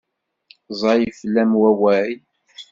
Ẓẓay fell-am wawal.